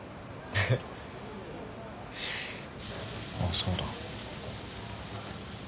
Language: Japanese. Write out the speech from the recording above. あっそうだ。